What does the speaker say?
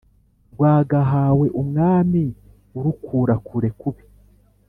rwagahawe umwami urukura kure kubi